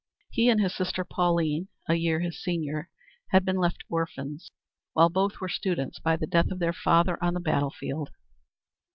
He and his sister Pauline, a year his senior, had been left orphans while both were students by the death of their father on the battlefield.